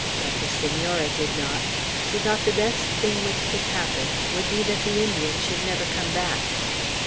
But the Senora did not. She thought the best thing which could happen, would be that the Indian should never come back.